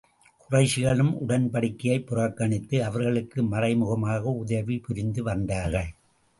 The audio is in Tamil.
குறைஷிகளும் உடன்படிக்கையைப் புறக்கணித்து, அவர்களுக்கு மறைமுகமாக உதவி புரிந்து வந்தார்கள்.